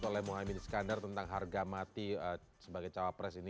berarti itu akan mengurangi sikap dan